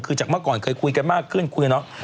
คือจากเมื่อก่อนเคยคุยกันมากขึ้นคุยกับน้อง